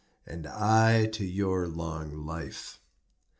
"And I to your long life."